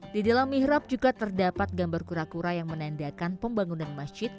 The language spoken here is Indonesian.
di dalam mihrab juga terdapat gambar kura kura yang menandakan pembangunan masjid